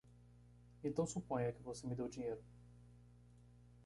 Então suponha que você me dê o dinheiro.